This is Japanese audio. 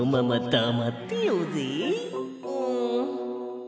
うん。